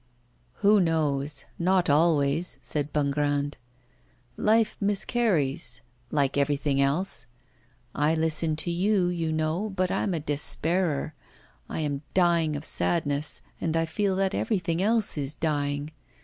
'Who knows? not always,' said Bongrand. 'Life miscarries, like everything else. I listen to you, you know, but I'm a despairer. I am dying of sadness, and I feel that everything else is dying.